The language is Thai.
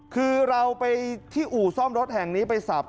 คือเราไปที่อู่ซ่อมรถแห่งนี้ไปสับ